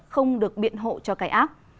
không được biện hộ cho cái ác